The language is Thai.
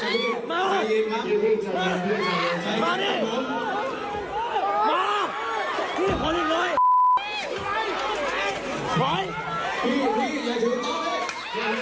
น้ำน้ำ